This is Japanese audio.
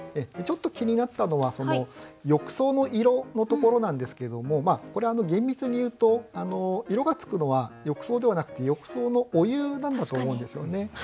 ちょっと気になったのは「浴槽の色」のところなんですけどもこれ厳密に言うと色がつくのは浴槽ではなくて浴槽のお湯なんだと思うんですよね。